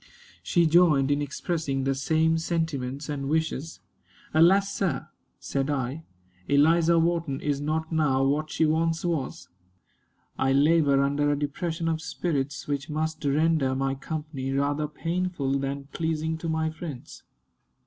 She joined in expressing the same sentiments and wishes. "Alas! sir," said I, "Eliza Wharton is not now what she once was. I labor under a depression of spirits which must render my company rather painful than pleasing to my friends."